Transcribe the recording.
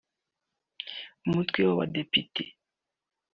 Umutwe w’Abadepite